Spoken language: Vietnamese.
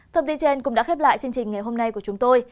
thông tin trên cũng đã khép lại chương trình ngày hôm nay của chúng tôi